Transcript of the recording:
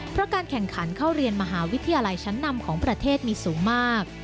เพราะการแข่งขันเข้าเรียนมหาวิทยาลัยชั้นนำของประเทศมีสูงมาก